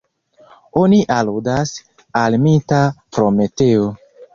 Oni aludas al mita Prometeo.